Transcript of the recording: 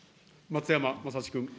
松山政司君。